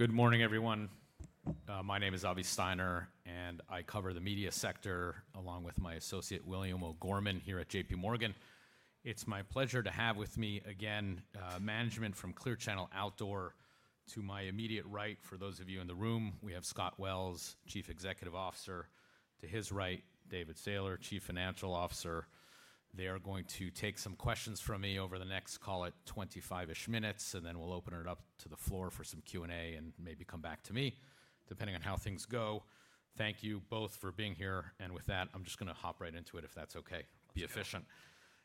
Good morning, everyone. My name is Avi Steiner, and I cover the media sector along with my associate, William Gorman, here at J.P. Morgan. It's my pleasure to have with me again management from Clear Channel Outdoor. To my immediate right, for those of you in the room, we have Scott Wells, Chief Executive Officer. To his right, David Sailer, Chief Financial Officer. They are going to take some questions from me over the next, call it, 25-ish minutes, and then we'll open it up to the floor for some Q&A and maybe come back to me, depending on how things go. Thank you both for being here. And with that, I'm just going to hop right into it, if that's okay. Be efficient.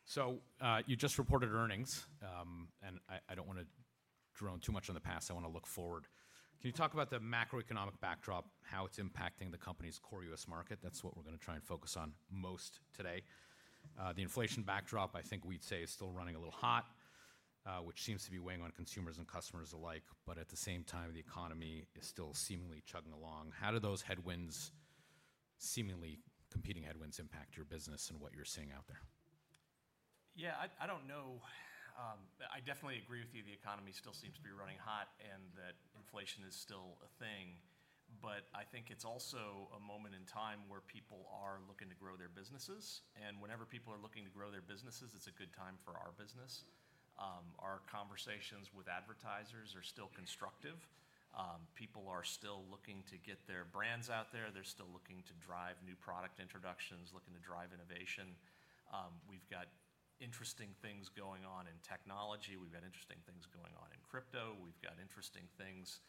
So you just reported earnings, and I don't want to drone too much on the past. I want to look forward. Can you talk about the macroeconomic backdrop, how it's impacting the company's core U.S. market? That's what we're going to try and focus on most today. The inflation backdrop, I think we'd say, is still running a little hot, which seems to be weighing on consumers and customers alike. But at the same time, the economy is still seemingly chugging along. How do those headwinds, seemingly competing headwinds, impact your business and what you're seeing out there? Yeah, I don't know. I definitely agree with you. The economy still seems to be running hot and that inflation is still a thing. But I think it's also a moment in time where people are looking to grow their businesses. And whenever people are looking to grow their businesses, it's a good time for our business. Our conversations with advertisers are still constructive. People are still looking to get their brands out there. They're still looking to drive new product introductions, looking to drive innovation. We've got interesting things going on in technology. We've got interesting things going on in crypto. We've got interesting things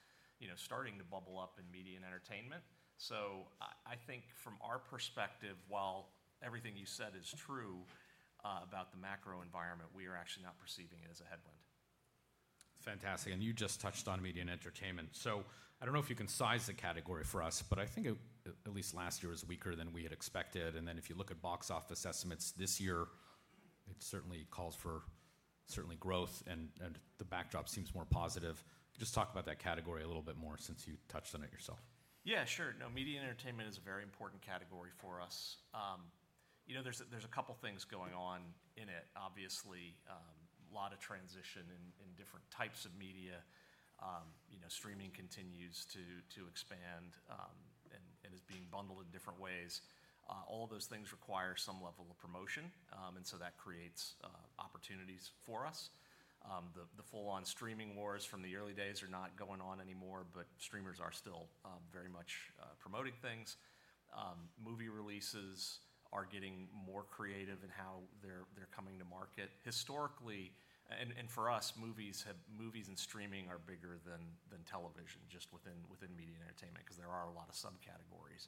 starting to bubble up in media and entertainment. So I think from our perspective, while everything you said is true about the macro environment, we are actually not perceiving it as a headwind. Fantastic. And you just touched on media and entertainment. So I don't know if you can size the category for us, but I think at least last year was weaker than we had expected. And then if you look at box office estimates this year, it certainly calls for growth, and the backdrop seems more positive. Just talk about that category a little bit more since you touched on it yourself. Yeah, sure. No, media and entertainment is a very important category for us. There's a couple of things going on in it, obviously. A lot of transition in different types of media. Streaming continues to expand and is being bundled in different ways. All of those things require some level of promotion, and so that creates opportunities for us. The full-on streaming wars from the early days are not going on anymore, but streamers are still very much promoting things. Movie releases are getting more creative in how they're coming to market. Historically, and for us, movies and streaming are bigger than television, just within media and entertainment, because there are a lot of subcategories.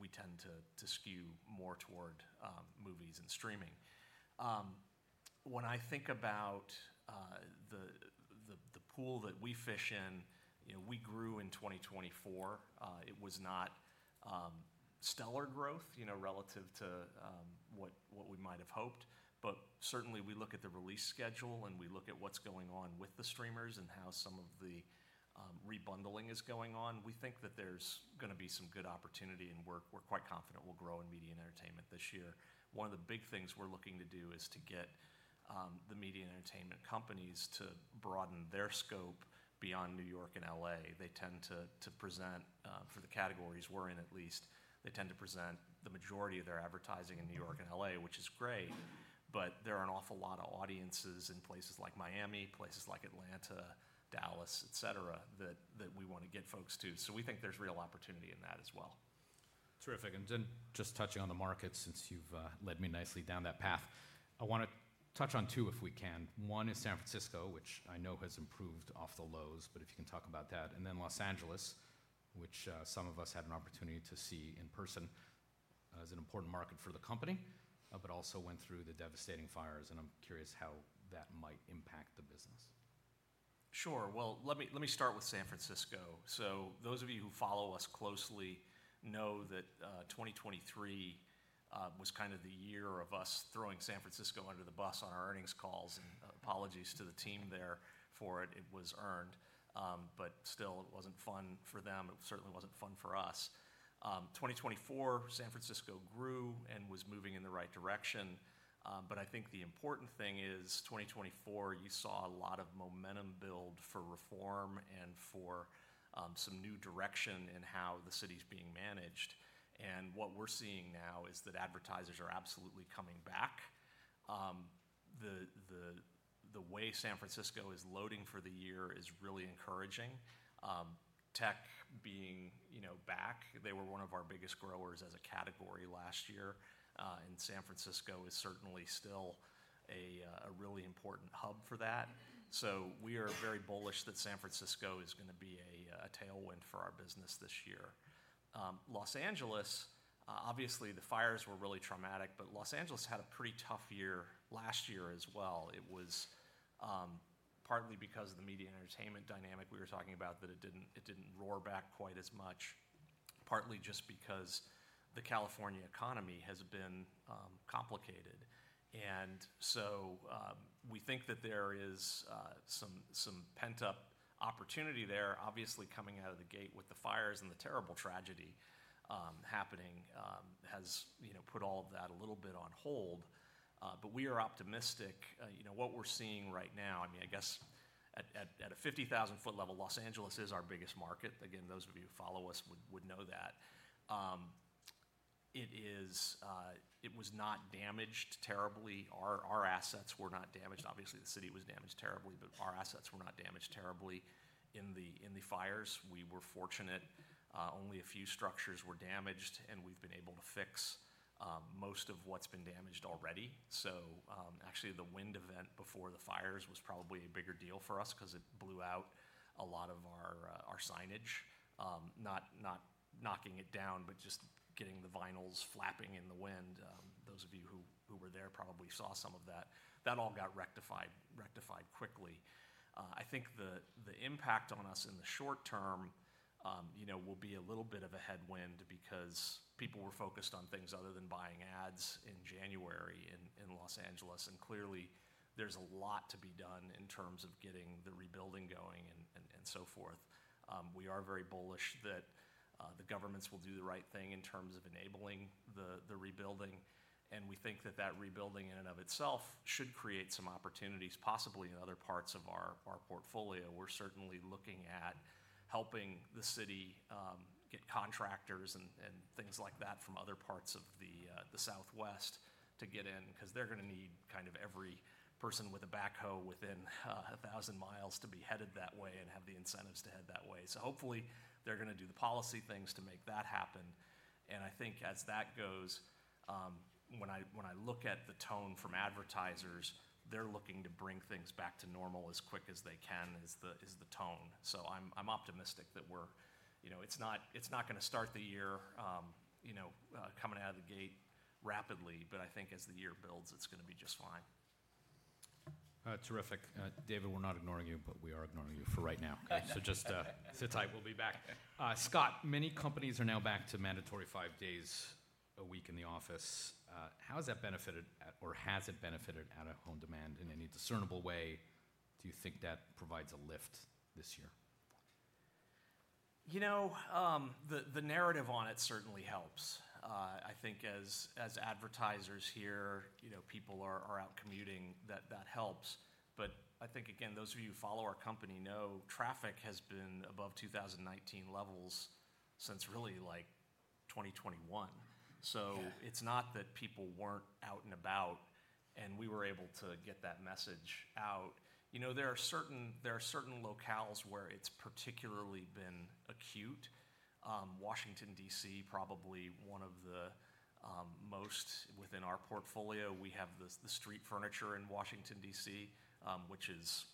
We tend to skew more toward movies and streaming. When I think about the pool that we fish in, we grew in 2024. It was not stellar growth relative to what we might have hoped. Certainly, we look at the release schedule and we look at what's going on with the streamers and how some of the rebundling is going on. We think that there's going to be some good opportunity and we're quite confident we'll grow in media and entertainment this year. One of the big things we're looking to do is to get the media and entertainment companies to broaden their scope beyond New York and L.A. They tend to present, for the categories we're in at least, they tend to present the majority of their advertising in New York and L.A., which is great. But there are an awful lot of audiences in places like Miami, places like Atlanta, Dallas, etc., that we want to get folks to. So we think there's real opportunity in that as well. Terrific. And just touching on the markets, since you've led me nicely down that path, I want to touch on two, if we can. One is San Francisco, which I know has improved off the lows, but if you can talk about that. And then Los Angeles, which some of us had an opportunity to see in person, is an important market for the company, but also went through the devastating fires. And I'm curious how that might impact the business. Sure. Well, let me start with San Francisco. So those of you who follow us closely know that 2023 was kind of the year of us throwing San Francisco under the bus on our earnings calls. And apologies to the team there for it. It was earned. But still, it wasn't fun for them. It certainly wasn't fun for us. 2024, San Francisco grew and was moving in the right direction. But I think the important thing is 2024, you saw a lot of momentum build for reform and for some new direction in how the city's being managed. And what we're seeing now is that advertisers are absolutely coming back. The way San Francisco is loading for the year is really encouraging. Tech being back, they were one of our biggest growers as a category last year. And San Francisco is certainly still a really important hub for that. We are very bullish that San Francisco is going to be a tailwind for our business this year. Los Angeles, obviously, the fires were really traumatic, but Los Angeles had a pretty tough year last year as well. It was partly because of the media and entertainment dynamic we were talking about that it didn't roar back quite as much, partly just because the California economy has been complicated. We think that there is some pent-up opportunity there. Obviously, coming out of the gate with the fires and the terrible tragedy happening has put all of that a little bit on hold. We are optimistic. What we're seeing right now, I mean, I guess at a 50,000-foot level, Los Angeles is our biggest market. Again, those of you who follow us would know that. It was not damaged terribly. Our assets were not damaged. Obviously, the city was damaged terribly, but our assets were not damaged terribly in the fires. We were fortunate. Only a few structures were damaged, and we've been able to fix most of what's been damaged already. So actually, the wind event before the fires was probably a bigger deal for us because it blew out a lot of our signage. Not knocking it down, but just getting the vinyls flapping in the wind. Those of you who were there probably saw some of that. That all got rectified quickly. I think the impact on us in the short term will be a little bit of a headwind because people were focused on things other than buying ads in January in Los Angeles, and clearly, there's a lot to be done in terms of getting the rebuilding going and so forth. We are very bullish that the governments will do the right thing in terms of enabling the rebuilding. We think that that rebuilding in and of itself should create some opportunities, possibly in other parts of our portfolio. We're certainly looking at helping the city get contractors and things like that from other parts of the Southwest to get in because they're going to need kind of every person with a backhoe within 1,000 miles to be headed that way and have the incentives to head that way. So hopefully, they're going to do the policy things to make that happen. I think as that goes, when I look at the tone from advertisers, they're looking to bring things back to normal as quick as they can is the tone. So, I'm optimistic that it's not going to start the year coming out of the gate rapidly, but I think as the year builds, it's going to be just fine. Terrific. David, we're not ignoring you, but we are ignoring you for right now. So just to keep it tight, we'll be back. Scott, many companies are now back to mandatory five days a week in the office. How has that benefited or has it benefited Out-of-Home demand in any discernible way? Do you think that provides a lift this year? You know, the narrative on it certainly helps. I think as advertisers here, people are out commuting, that helps. But I think, again, those of you who follow our company know traffic has been above 2019 levels since really like 2021. So it's not that people weren't out and about, and we were able to get that message out. You know, there are certain locales where it's particularly been acute. Washington, D.C., probably one of the most within our portfolio. We have the street furniture in Washington, D.C., which is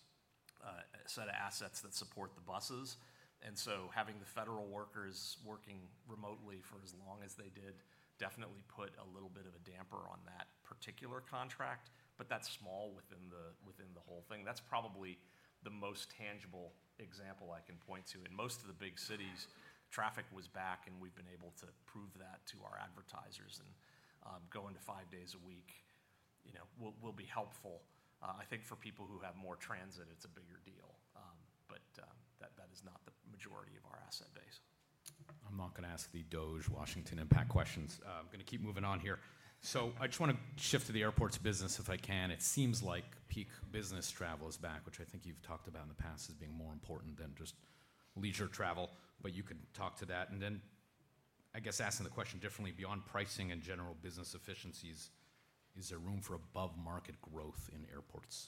a set of assets that support the buses. And so having the federal workers working remotely for as long as they did definitely put a little bit of a damper on that particular contract. But that's small within the whole thing. That's probably the most tangible example I can point to. In most of the big cities, traffic was back, and we've been able to prove that to our advertisers. And going to five days a week will be helpful. I think for people who have more transit, it's a bigger deal. But that is not the majority of our asset base. I'm not going to ask the DOJ Washington impact questions. I'm going to keep moving on here. So I just want to shift to the airports business if I can. It seems like peak business travel is back, which I think you've talked about in the past as being more important than just leisure travel. But you can talk to that. And then I guess asking the question differently, beyond pricing and general business efficiencies, is there room for above-market growth in airports?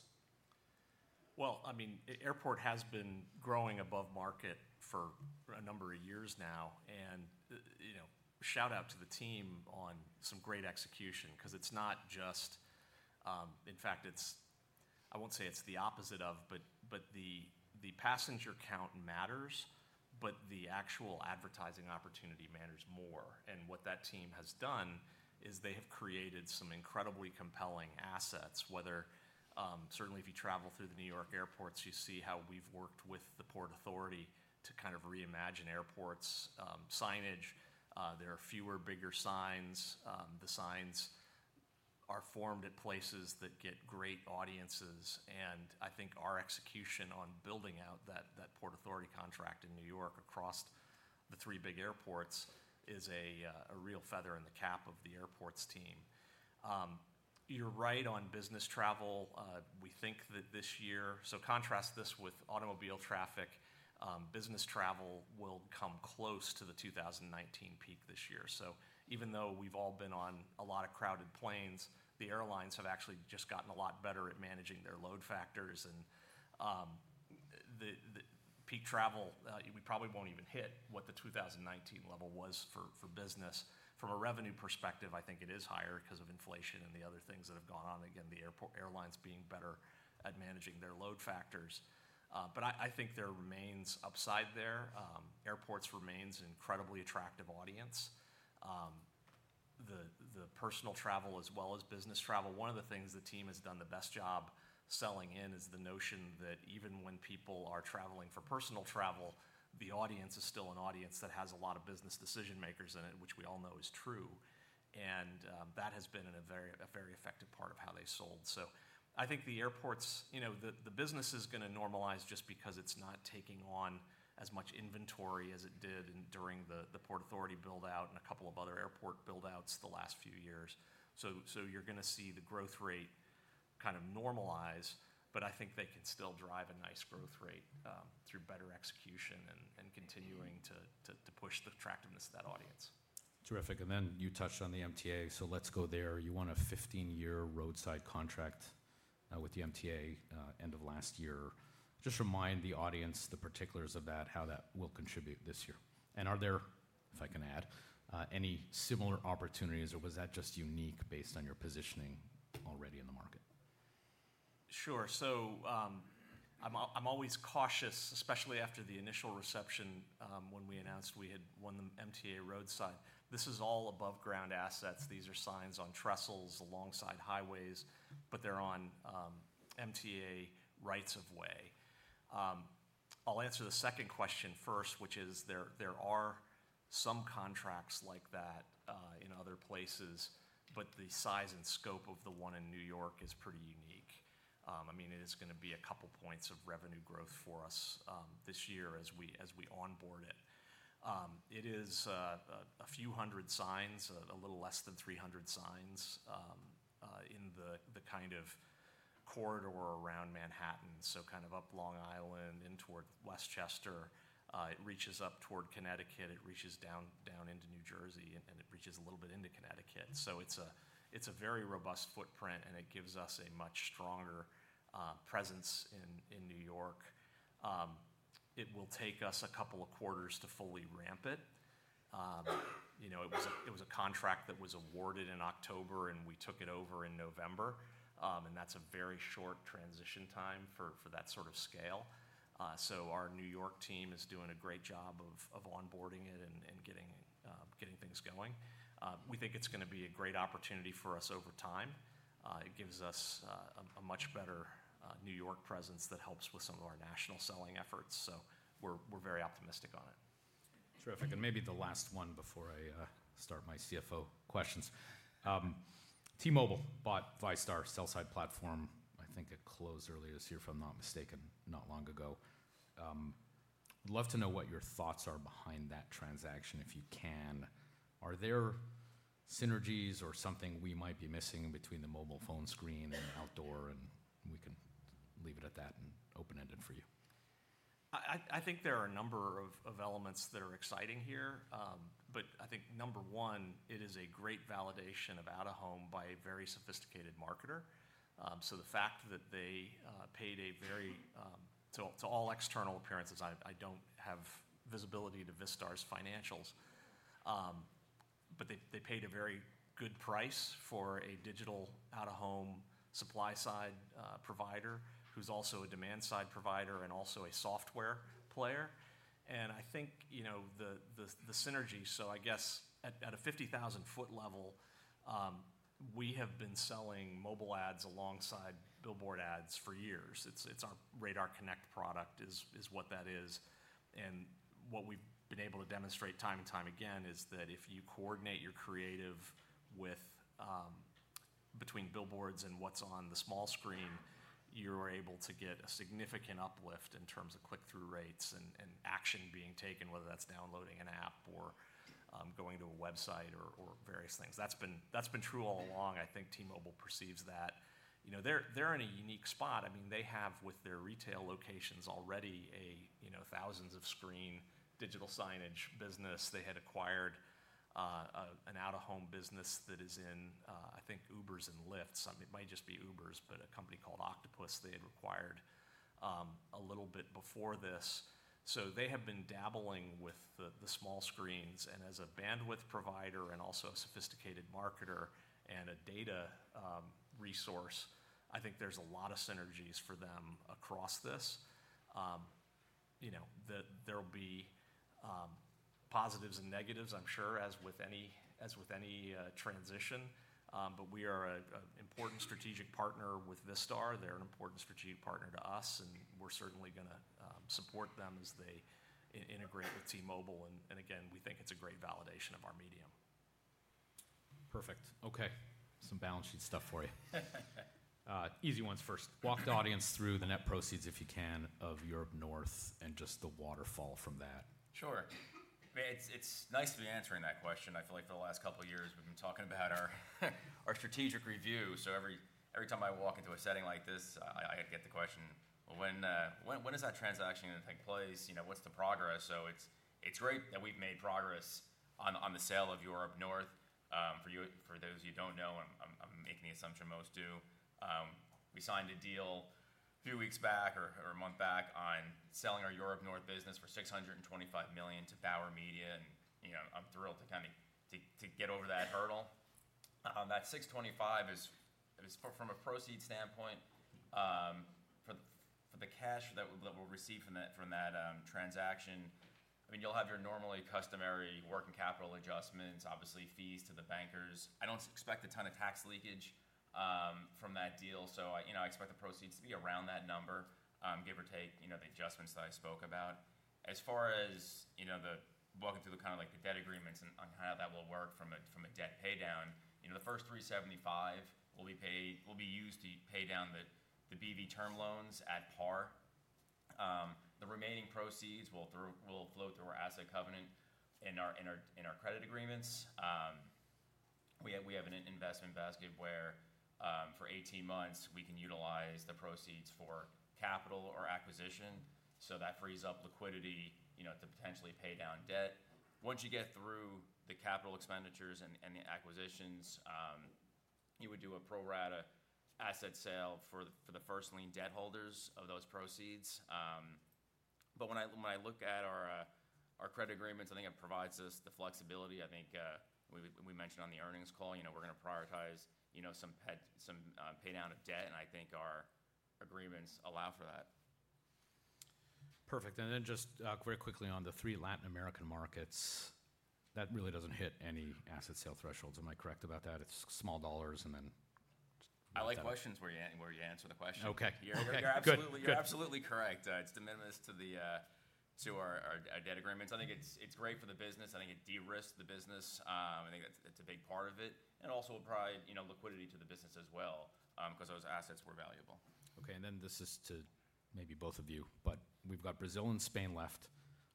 I mean, airport has been growing above market for a number of years now. And shout out to the team on some great execution because it's not just in fact, I won't say it's the opposite of, but the passenger count matters, but the actual advertising opportunity matters more. And what that team has done is they have created some incredibly compelling assets. Whether certainly if you travel through the New York airports, you see how we've worked with the Port Authority to kind of reimagine airports' signage. There are fewer bigger signs. The signs are formed at places that get great audiences. And I think our execution on building out that Port Authority contract in New York across the three big airports is a real feather in the cap of the airports team. You're right on business travel. We think that this year, so contrast this with automobile traffic. Business travel will come close to the 2019 peak this year, so even though we've all been on a lot of crowded planes, the airlines have actually just gotten a lot better at managing their load factors, and the peak travel, we probably won't even hit what the 2019 level was for business. From a revenue perspective, I think it is higher because of inflation and the other things that have gone on. Again, the airlines being better at managing their load factors, but I think there remains upside there. Airports remains an incredibly attractive audience. The personal travel, as well as business travel, one of the things the team has done the best job selling in is the notion that even when people are traveling for personal travel, the audience is still an audience that has a lot of business decision-makers in it, which we all know is true, and that has been a very effective part of how they sold, so I think the airports, the business is going to normalize just because it's not taking on as much inventory as it did during the Port Authority build-out and a couple of other airport build-outs the last few years, so you're going to see the growth rate kind of normalize, but I think they can still drive a nice growth rate through better execution and continuing to push the attractiveness of that audience. Terrific. And then you touched on the MTA. So let's go there. You won a 15-year roadside contract with the MTA end of last year. Just remind the audience the particulars of that, how that will contribute this year. And are there, if I can add, any similar opportunities, or was that just unique based on your positioning already in the market? Sure. So I'm always cautious, especially after the initial reception when we announced we had won the MTA roadside. This is all above-ground assets. These are signs on trestles alongside highways, but they're on MTA rights of way. I'll answer the second question first, which is there are some contracts like that in other places, but the size and scope of the one in New York is pretty unique. I mean, it is going to be a couple of points of revenue growth for us this year as we onboard it. It is a few hundred signs, a little less than 300 signs in the kind of corridor around Manhattan. So kind of up Long Island and toward Westchester, it reaches up toward Connecticut. It reaches down into New Jersey, and it reaches a little bit into Connecticut. It's a very robust footprint, and it gives us a much stronger presence in New York. It will take us a couple of quarters to fully ramp it. It was a contract that was awarded in October, and we took it over in November. That's a very short transition time for that sort of scale. Our New York team is doing a great job of onboarding it and getting things going. We think it's going to be a great opportunity for us over time. It gives us a much better New York presence that helps with some of our national selling efforts. We're very optimistic on it. Terrific. And maybe the last one before I start my CFO questions. T-Mobile bought Vistar sell-side platform, I think it closed earlier this year, if I'm not mistaken, not long ago. I'd love to know what your thoughts are behind that transaction, if you can. Are there synergies or something we might be missing between the mobile phone screen and outdoor? And we can leave it at that and open-ended for you. I think there are a number of elements that are exciting here. But I think number one, it is a great validation of Out-of-Home by a very sophisticated marketer. So the fact that they paid a very to all external appearances, I don't have visibility to Vistar's financials. But they paid a very good price for a digital Out-of-Home supply-side provider who's also a demand-side provider and also a software player. And I think the synergy, so I guess at a 50,000-foot level, we have been selling mobile ads alongside billboard ads for years. It's our RADARConnect product is what that is. What we've been able to demonstrate time and time again is that if you coordinate your creative between billboards and what's on the small screen, you're able to get a significant uplift in terms of click-through rates and action being taken, whether that's downloading an app or going to a website or various things. That's been true all along. I think T-Mobile perceives that. They're in a unique spot. I mean, they have with their retail locations already thousands of screen digital signage business. They had acquired an out-of-home business that is in, I think, Ubers and Lyfts. It might just be Ubers, but a company called Octopus they had acquired a little bit before this. So they have been dabbling with the small screens. As a bandwidth provider and also a sophisticated marketer and a data resource, I think there's a lot of synergies for them across this. There'll be positives and negatives, I'm sure, as with any transition. We are an important strategic partner with Vistar. They're an important strategic partner to us, and we're certainly going to support them as they integrate with T-Mobile. Again, we think it's a great validation of our medium. Perfect. Okay. Some balance sheet stuff for you. Easy ones first. Walk the audience through the net proceeds, if you can, of Europe North and just the waterfall from that. Sure. I mean, it's nice to be answering that question. I feel like for the last couple of years, we've been talking about our strategic review. So every time I walk into a setting like this, I get the question, when is that transaction going to take place? What's the progress? So it's great that we've made progress on the sale of Europe North. For those of you who don't know, and I'm making the assumption most do, we signed a deal a few weeks back or a month back on selling our Europe North business for $625 million to Bauer Media. And I'm thrilled to kind of get over that hurdle. That $625 is from a proceeds standpoint, for the cash that we'll receive from that transaction. I mean, you'll have your normally customary working capital adjustments, obviously fees to the bankers. I don't expect a ton of tax leakage from that deal. So I expect the proceeds to be around that number, give or take the adjustments that I spoke about. As far as the walking through kind of like the debt agreements and how that will work from a debt paydown, the first $375 will be used to pay down the term loans at par. The remaining proceeds will flow through our asset covenant in our credit agreements. We have an investment basket where for 18 months, we can utilize the proceeds for capital or acquisition. So that frees up liquidity to potentially pay down debt. Once you get through the capital expenditures and the acquisitions, you would do a pro rata asset sale for the first lien debt holders of those proceeds. But when I look at our credit agreements, I think it provides us the flexibility. I think we mentioned on the earnings call, we're going to prioritize some paydown of debt, and I think our agreements allow for that. Perfect. And then just very quickly on the three Latin American markets, that really doesn't hit any asset sale thresholds. Am I correct about that? It's small dollars and then. I like questions where you answer the question. Okay. Good. You're absolutely correct. It's de minimis to our debt agreements. I think it's great for the business. I think it de-risked the business. I think that's a big part of it. And it also will provide liquidity to the business as well because those assets were valuable. Okay, and then this is to maybe both of you, but we've got Brazil and Spain left.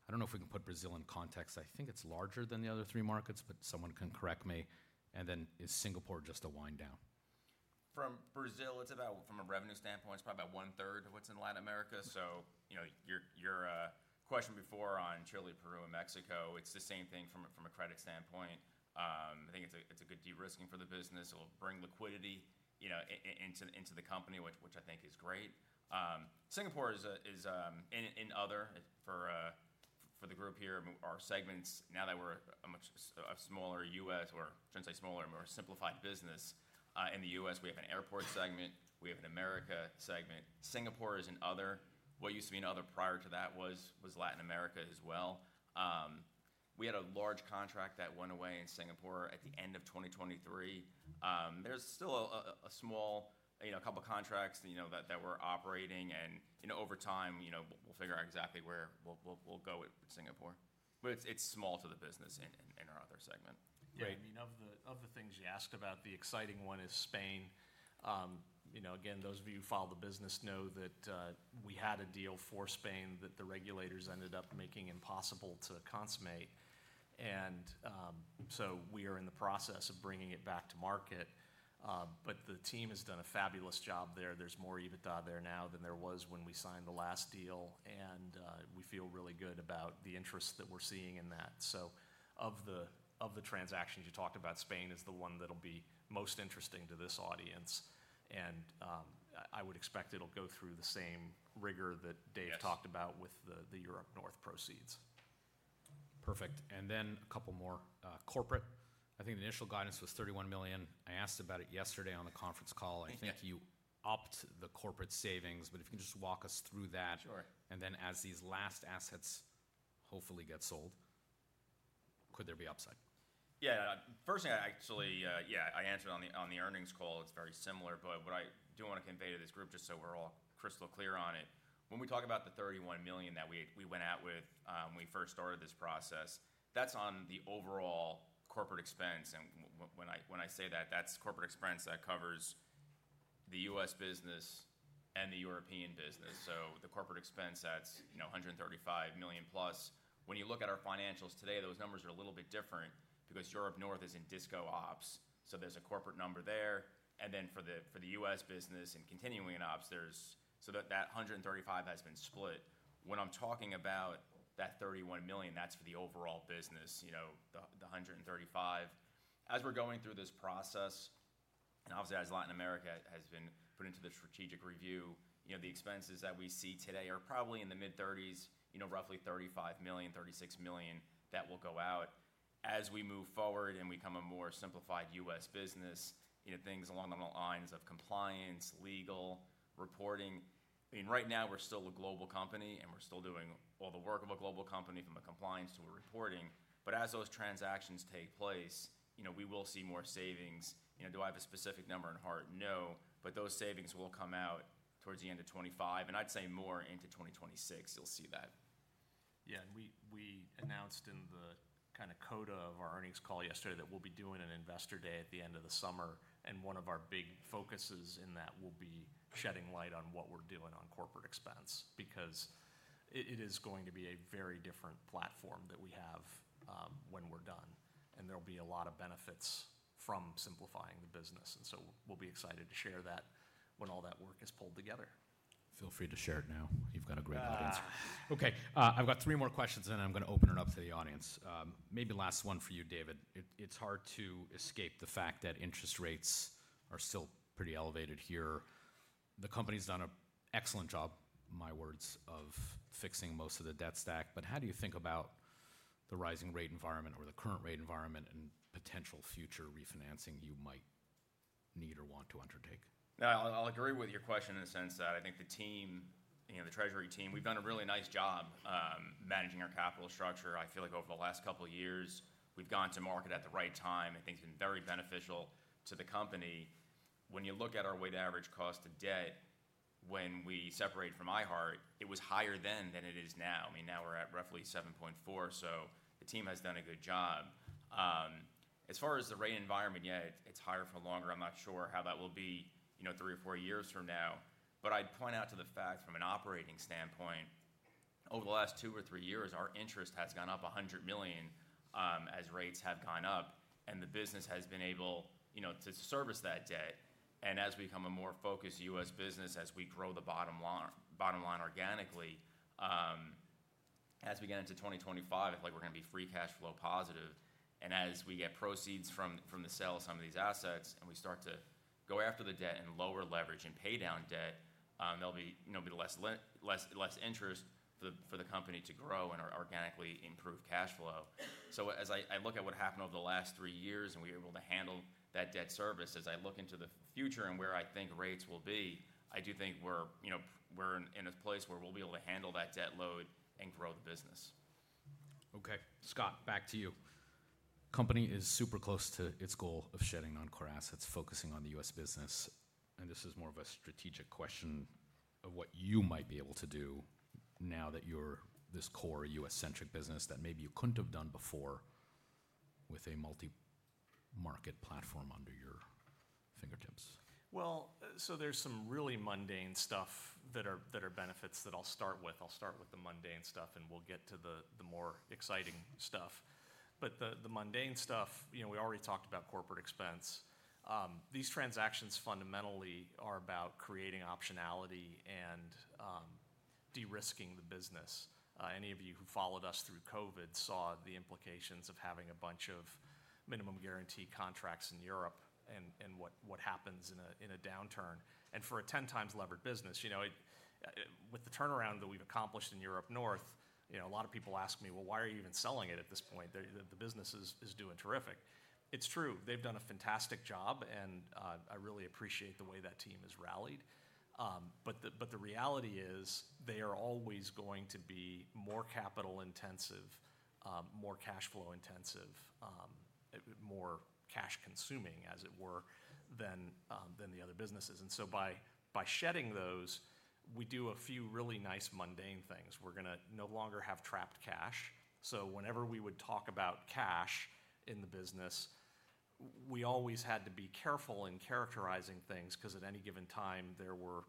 I don't know if we can put Brazil in context. I think it's larger than the other three markets, but someone can correct me, and then is Singapore just a wind down? From Brazil, from a revenue standpoint, it's probably about one-third of what's in Latin America. So your question before on Chile, Peru, and Mexico, it's the same thing from a credit standpoint. I think it's a good de-risking for the business. It'll bring liquidity into the company, which I think is great. Singapore is in other for the group here. Our segments, now that we're a smaller U.S., or shouldn't say smaller, more simplified business. In the U.S., we have an airport segment. We have an America segment. Singapore is in other. What used to be in other prior to that was Latin America as well. We had a large contract that went away in Singapore at the end of 2023. There's still a small couple of contracts that we're operating, and over time, we'll figure out exactly where we'll go with Singapore. But it's small to the business in our other segment. Great. I mean, of the things you asked about, the exciting one is Spain. Again, those of you who follow the business know that we had a deal for Spain that the regulators ended up making impossible to consummate. And so we are in the process of bringing it back to market. But the team has done a fabulous job there. There's more EBITDA there now than there was when we signed the last deal. And we feel really good about the interest that we're seeing in that. So of the transactions you talked about, Spain is the one that'll be most interesting to this audience. And I would expect it'll go through the same rigor that David talked about with the Europe North proceeds. Perfect. And then a couple more corporate. I think the initial guidance was $31 million. I asked about it yesterday on the conference call. I think you upped the corporate savings. But if you can just walk us through that. And then as these last assets hopefully get sold, could there be upside? Yeah. First thing, actually, yeah, I answered on the earnings call. It's very similar. But what I do want to convey to this group, just so we're all crystal clear on it, when we talk about the $31 million that we went out with when we first started this process, that's on the overall corporate expense. And when I say that, that's corporate expense that covers the U.S. business and the European business. So the corporate expense, that's $135 million+. When you look at our financials today, those numbers are a little bit different because Europe North is in discontinued ops. So there's a corporate number there. And then for the U.S. business and continuing ops, there's so that $135 million has been split. When I'm talking about that $31 million, that's for the overall business, the $135 million. As we're going through this process, and obviously as Latin America has been put into the strategic review, the expenses that we see today are probably in the mid-30s, roughly $35 million, $36 million that will go out. As we move forward and we become a more simplified U.S. business, things along the lines of compliance, legal, reporting. I mean, right now, we're still a global company, and we're still doing all the work of a global company from a compliance to a reporting. But as those transactions take place, we will see more savings. Do I have a specific number in mind? No. But those savings will come out towards the end of 2025. And I'd say more into 2026, you'll see that. Yeah. And we announced in the Q&A of our earnings call yesterday that we'll be doing an investor day at the end of the summer. And one of our big focuses in that will be shedding light on what we're doing on corporate expense because it is going to be a very different platform that we have when we're done. And there'll be a lot of benefits from simplifying the business. And so we'll be excited to share that when all that work is pulled together. Feel free to share it now. You've got a great audience. Okay. I've got three more questions, and then I'm going to open it up to the audience. Maybe last one for you, David. It's hard to escape the fact that interest rates are still pretty elevated here. The company's done an excellent job, my words, of fixing most of the debt stack. But how do you think about the rising rate environment or the current rate environment and potential future refinancing you might need or want to undertake? I'll agree with your question in the sense that I think the team, the Treasury team, we've done a really nice job managing our capital structure. I feel like over the last couple of years, we've gone to market at the right time. I think it's been very beneficial to the company. When you look at our weighted average cost of debt, when we separated from iHeart, it was higher then than it is now. I mean, now we're at roughly 7.4%. So the team has done a good job. As far as the rate environment, yeah, it's higher for longer. I'm not sure how that will be three or four years from now. But I'd point out to the fact from an operating standpoint, over the last two or three years, our interest has gone up $100 million as rates have gone up. The business has been able to service that debt. As we become a more focused U.S. business, as we grow the bottom line organically, as we get into 2025, it's like we're going to be free cash flow positive. As we get proceeds from the sale of some of these assets and we start to go after the debt and lower leverage and pay down debt, there'll be less interest for the company to grow and organically improve cash flow. As I look at what happened over the last three years and we were able to handle that debt service, as I look into the future and where I think rates will be, I do think we're in a place where we'll be able to handle that debt load and grow the business. Okay. Scott, back to you. The company is super close to its goal of shedding non-core assets, focusing on the U.S. business, and this is more of a strategic question of what you might be able to do now that you're this core U.S.-centric business that maybe you couldn't have done before with a multi-market platform at your fingertips. There's some really mundane stuff that are benefits that I'll start with. I'll start with the mundane stuff, and we'll get to the more exciting stuff. The mundane stuff, we already talked about corporate expense. These transactions fundamentally are about creating optionality and de-risking the business. Any of you who followed us through COVID saw the implications of having a bunch of minimum guarantee contracts in Europe and what happens in a downturn. For a 10x levered business, with the turnaround that we've accomplished in Europe North, a lot of people ask me, "Well, why are you even selling it at this point? The business is doing terrific." It's true. They've done a fantastic job, and I really appreciate the way that team has rallied. But the reality is they are always going to be more capital-intensive, more cash flow-intensive, more cash-consuming, as it were, than the other businesses. By shedding those, we do a few really nice mundane things. We're going to no longer have trapped cash. Whenever we would talk about cash in the business, we always had to be careful in characterizing things because at any given time, there were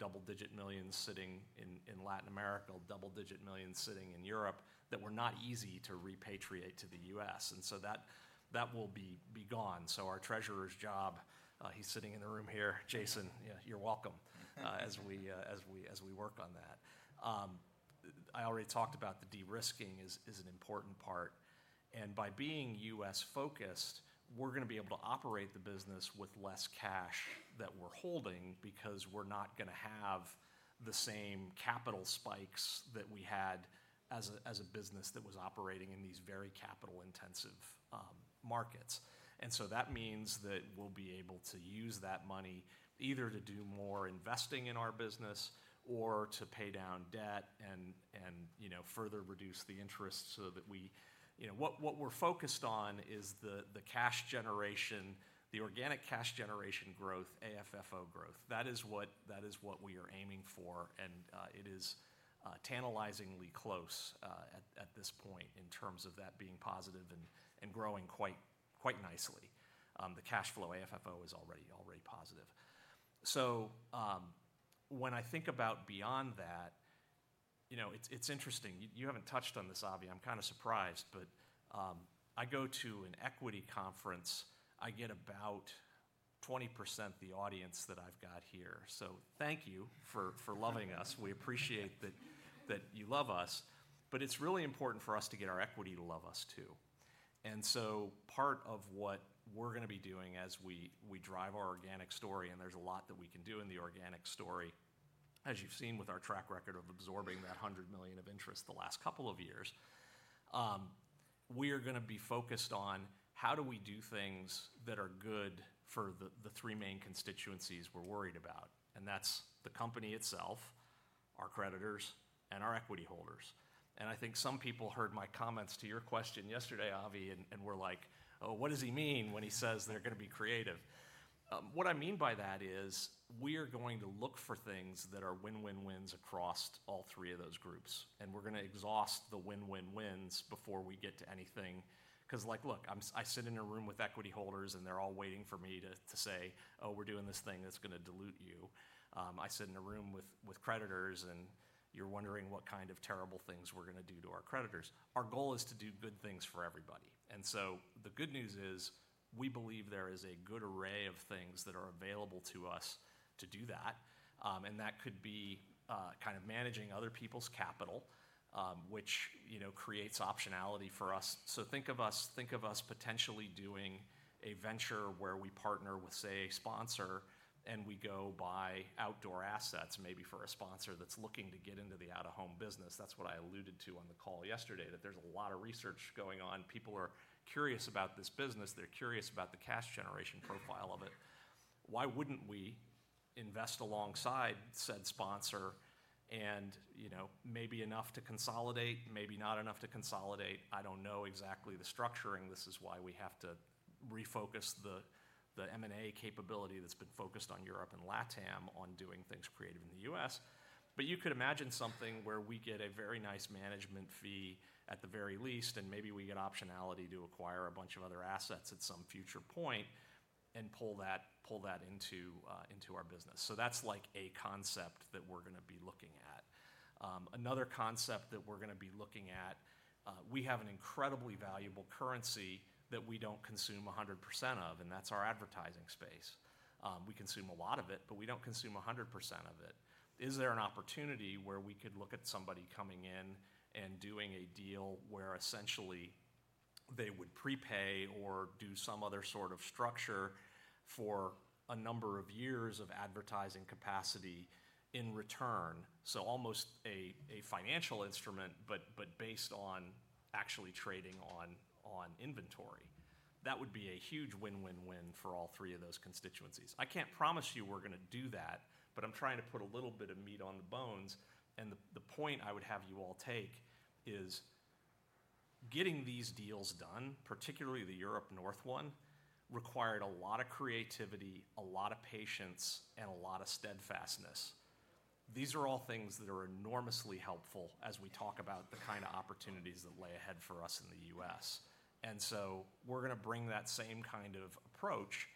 double-digit millions sitting in Latin America, double-digit millions sitting in Europe that were not easy to repatriate to the U.S. That will be gone. Our Treasurer's job, he's sitting in the room here. Jason, you're welcome as we work on that. I already talked about the de-risking is an important part. And by being U.S.-focused, we're going to be able to operate the business with less cash that we're holding because we're not going to have the same capital spikes that we had as a business that was operating in these very capital-intensive markets. And so that means that we'll be able to use that money either to do more investing in our business or to pay down debt and further reduce the interest so that we what we're focused on is the cash generation, the organic cash generation growth, AFFO growth. That is what we are aiming for. And it is tantalizingly close at this point in terms of that being positive and growing quite nicely. The cash flow AFFO is already positive. So when I think about beyond that, it's interesting. You haven't touched on this, Avi. I'm kind of surprised. But I go to an equity conference, I get about 20% the audience that I've got here, so thank you for loving us. We appreciate that you love us, but it's really important for us to get our equity to love us too, and so part of what we're going to be doing as we drive our organic story, and there's a lot that we can do in the organic story, as you've seen with our track record of absorbing that $100 million of interest the last couple of years, we are going to be focused on how do we do things that are good for the three main constituencies we're worried about, and that's the company itself, our creditors, and our equity holders. I think some people heard my comments to your question yesterday, Avi, and were like, "Oh, what does he mean when he says they're going to be creative?" What I mean by that is we are going to look for things that are win-win-wins across all three of those groups. And we're going to exhaust the win-win-wins before we get to anything. Because look, I sit in a room with equity holders, and they're all waiting for me to say, "Oh, we're doing this thing that's going to dilute you." I sit in a room with creditors, and you're wondering what kind of terrible things we're going to do to our creditors. Our goal is to do good things for everybody. And so the good news is we believe there is a good array of things that are available to us to do that. That could be kind of managing other people's capital, which creates optionality for us. So think of us potentially doing a venture where we partner with, say, a sponsor, and we go buy outdoor assets, maybe for a sponsor that's looking to get into the Out-of-Home business. That's what I alluded to on the call yesterday, that there's a lot of research going on. People are curious about this business. They're curious about the cash generation profile of it. Why wouldn't we invest alongside said sponsor? And maybe enough to consolidate, maybe not enough to consolidate. I don't know exactly the structuring. This is why we have to refocus the M&A capability that's been focused on Europe and LATAM on doing things creative in the U.S. But you could imagine something where we get a very nice management fee at the very least, and maybe we get optionality to acquire a bunch of other assets at some future point and pull that into our business. So that's like a concept that we're going to be looking at. Another concept that we're going to be looking at, we have an incredibly valuable currency that we don't consume 100% of, and that's our advertising space. We consume a lot of it, but we don't consume 100% of it. Is there an opportunity where we could look at somebody coming in and doing a deal where essentially they would prepay or do some other sort of structure for a number of years of advertising capacity in return? So almost a financial instrument, but based on actually trading on inventory. That would be a huge win-win-win for all three of those constituencies. I can't promise you we're going to do that, but I'm trying to put a little bit of meat on the bones. And the point I would have you all take is getting these deals done, particularly the Europe North one, required a lot of creativity, a lot of patience, and a lot of steadfastness. These are all things that are enormously helpful as we talk about the kind of opportunities that lay ahead for us in the U.S. And so we're going to bring that same kind of approach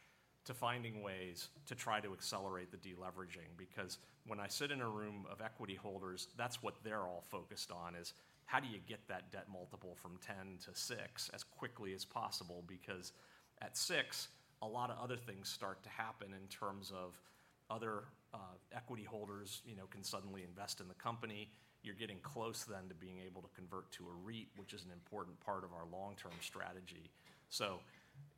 to finding ways to try to accelerate the deleveraging. Because when I sit in a room of equity holders, that's what they're all focused on, is how do you get that debt multiple from 10 to 6 as quickly as possible? Because at 6, a lot of other things start to happen in terms of other equity holders can suddenly invest in the company. You're getting close then to being able to convert to a REIT, which is an important part of our long-term strategy. So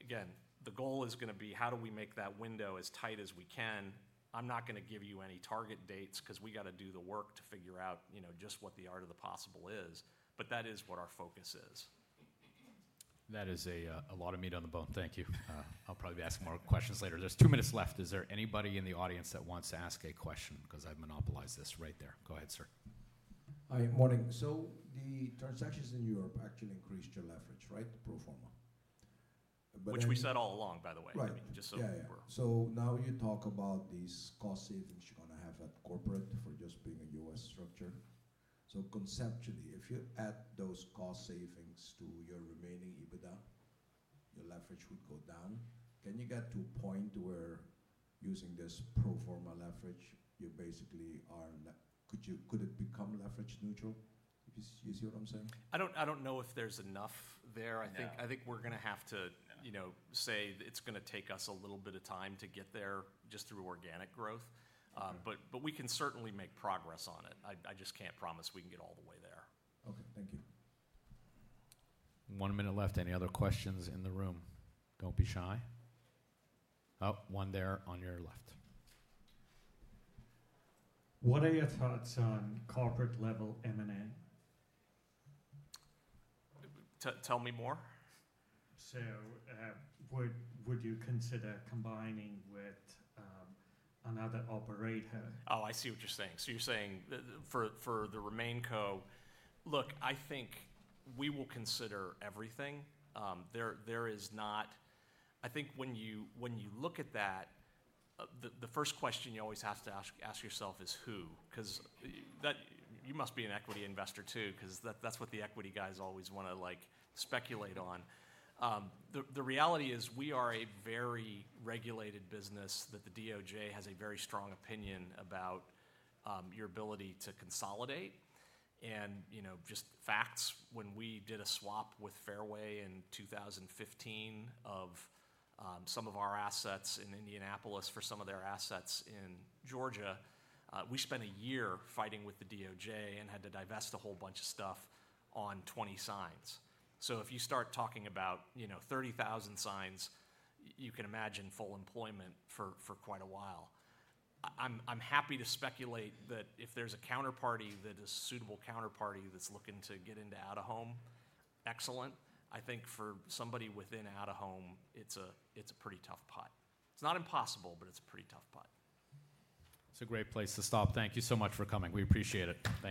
again, the goal is going to be how do we make that window as tight as we can? I'm not going to give you any target dates because we got to do the work to figure out just what the art of the possible is. But that is what our focus is. That is a lot of meat on the bone. Thank you. I'll probably be asking more questions later. There's two minutes left. Is there anybody in the audience that wants to ask a question? Because I've monopolized this right there. Go ahead, sir. Hi. Morning, so the transactions in Europe actually increased your leverage, right? Pro forma. Which we said all along, by the way. So now you talk about these cost savings you're going to have at corporate for just being a U.S. structure. So conceptually, if you add those cost savings to your remaining EBITDA, your leverage would go down. Can you get to a point where using this pro forma leverage, you basically are could it become leverage neutral? Do you see what I'm saying? I don't know if there's enough there. I think we're going to have to say it's going to take us a little bit of time to get there just through organic growth. But we can certainly make progress on it. I just can't promise we can get all the way there. Okay. Thank you. One minute left. Any other questions in the room? Don't be shy. Oh, one there on your left. What are your thoughts on corporate-level M&A? Tell me more. So would you consider combining with another operator? Oh, I see what you're saying. So you're saying for the RemainCo. Look, I think we will consider everything. There is not. I think when you look at that, the first question you always have to ask yourself is who? Because you must be an equity investor too because that's what the equity guys always want to speculate on. The reality is we are a very regulated business that the DOJ has a very strong opinion about your ability to consolidate. And just facts, when we did a swap with Fairway in 2015 of some of our assets in Indianapolis for some of their assets in Georgia, we spent a year fighting with the DOJ and had to divest a whole bunch of stuff on 20 signs. So if you start talking about 30,000 signs, you can imagine full employment for quite a while. I'm happy to speculate that if there's a counterparty that is a suitable counterparty that's looking to get into out-of-home, excellent. I think for somebody within out-of-home, it's a pretty tough putt. It's not impossible, but it's a pretty tough putt. It's a great place to stop. Thank you so much for coming. We appreciate it. Thanks.